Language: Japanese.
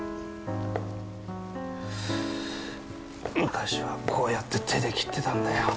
昔はこうやって手で切ってたんだよ。